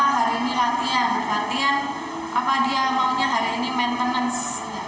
karena berpintu dia mulai dari kecil mas